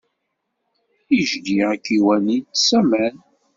Ijdi akiwan yettess aman.